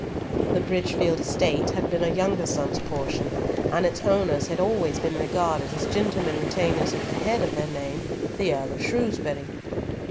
The Bridgefield estate had been a younger son's portion, and its owners had always been regarded as gentlemen retainers of the head of their name, the Earl of Shrewsbury.